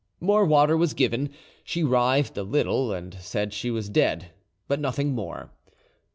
"More water was given; she writhed a little, and said she was dead, but nothing more.